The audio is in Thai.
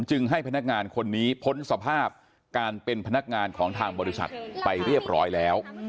ให้พนักงานคนนี้พ้นสภาพการเป็นพนักงานของทางบริษัทไปเรียบร้อยแล้ว